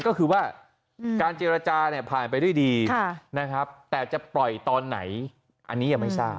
ก็คือว่าการเจรจาเนี่ยผ่านไปด้วยดีนะครับแต่จะปล่อยตอนไหนอันนี้ยังไม่ทราบ